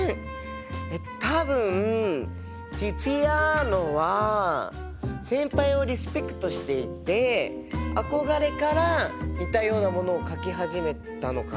多分ティツィアーノは先輩をリスペクトしていて憧れから似たようなものを描き始めたのかな。